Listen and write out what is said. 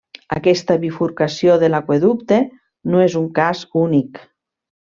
Aquesta bifurcació de l'aqüeducte no és un cas únic.